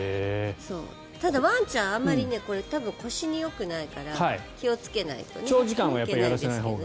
ただ、ワンちゃんあまりこれ、腰によくないから気をつけないといけないですけどね。